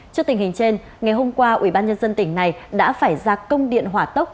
trước tình hình trên ngày hôm qua ubnd tỉnh này đã phải ra công điện hỏa tốc